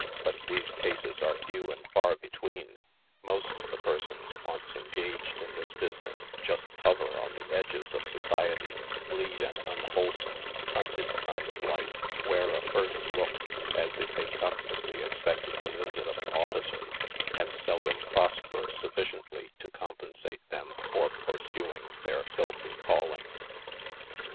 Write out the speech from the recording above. But these cases are few and far between. Most of the persons once engaged in this business just hover on the edges of society, lead an unwholesome, hunted kind of life, wear a furtive look, as if they constantly expected the visit of an officer, and seldom prosper sufficiently to compensate them for pnrsuing their filthy calling.